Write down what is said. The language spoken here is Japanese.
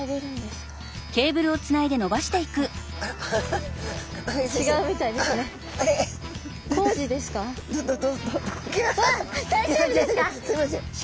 すいません。